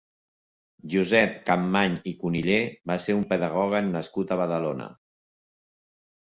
Josep Campmany i Cunillé va ser un pedagog nascut a Badalona.